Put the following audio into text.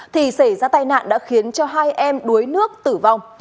thì xảy ra tai nạn đã khiến cho hai em đuối nước tử vong